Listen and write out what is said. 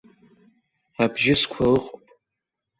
Абжьысқәа ыҟоуп.